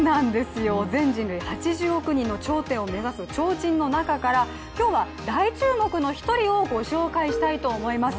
全人類８０億人の頂点を目指す超人の中から今日は大注目の１人をご紹介したいと思います。